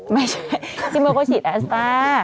ไม่ใช่ซีโมโกชีดแอร์สตรา